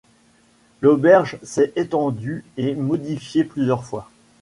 L’auberge s’est étendue et modifiée plusieurs fois.